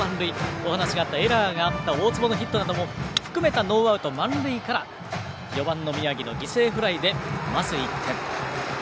お話があった、エラーのあった大坪のヒットなどノーアウト満塁から４番の宮城の犠牲フライでまず１点。